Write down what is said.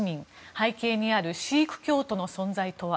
背景にあるシーク教徒の存在とは？